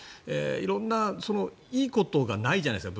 色んないいことがないじゃないですか。